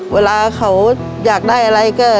เวลาเขาอยากได้อะไรก็